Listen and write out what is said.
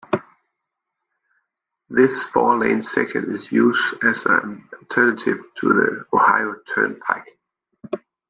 This four-lane section is used as an alternative to the Ohio Turnpike.